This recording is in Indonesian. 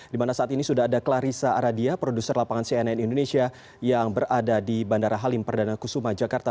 di mana saat ini sudah ada clarissa aradia produser lapangan cnn indonesia yang berada di bandara halim perdana kusuma jakarta